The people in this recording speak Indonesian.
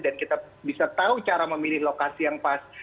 dan kita bisa tahu cara memilih lokasi yang pas